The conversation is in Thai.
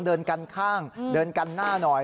เดินกันข้างเดินกันหน้าหน่อย